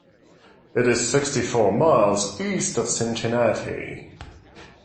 It is sixty-four miles east of Cincinnati.